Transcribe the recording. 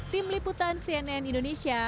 tim liputan cnn indonesia